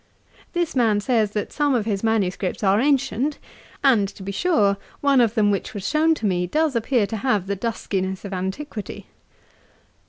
This man says, that some of his manuscripts are ancient; and, to be sure, one of them which was shewn to me does appear to have the duskyness of antiquity.